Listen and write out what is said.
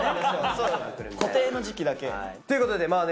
そう固定の時期だけ。ということでまあね